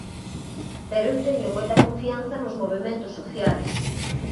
Pero eu teño moita confianza nos movementos sociais.